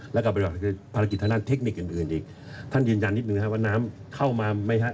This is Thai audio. และกับประหลาดภารกิจทางด้านเทคนิคอย่างอื่นอื่นอีกท่านยืนยันนิดหนึ่งนะครับว่าน้ำเข้ามาไม่ฮะ